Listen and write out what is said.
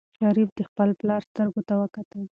شریف د خپل پلار سترګو ته وکتل.